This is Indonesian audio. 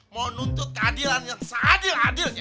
mau nuntut keadilan yang seadil adilnya